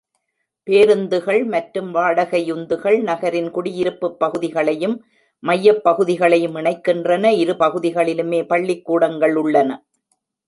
பேருந்துகள் மற்றும் வாடகையுந்துகள் நகரின் குடியிருப்புப் பகுதிகளையும் மையப் பகுதியையும் இணைக்கின்றன; இரு பகுதிகளிலுமே பள்ளிக்கூடங்கள் உள்ளன.